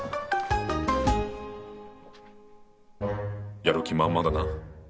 やる気満々だな。